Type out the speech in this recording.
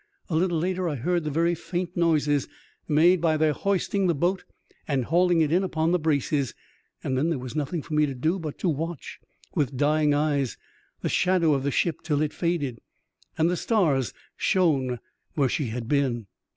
A little later I heard the very faint noises made by their hoisting the boat and hauling in upon the braces, and then there was nothing for me to do but to watch, with dying eyes, the shadow of the ship till it faded, and the stars shone where she had been.